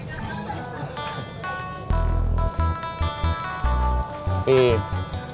saya masih tetap jualan di depan kios